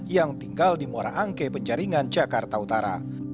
yang tinggal di moraangke penjaringan jakarta utara